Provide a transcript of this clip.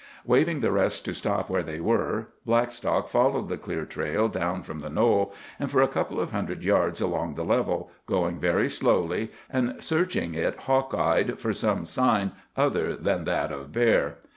Waving the rest to stop where they were, Blackstock followed the clear trail down from the knoll, and for a couple of hundred yards along the level, going very slowly, and searching it hawk eyed for some sign other than that of bear.